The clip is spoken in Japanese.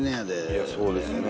いやそうですよね。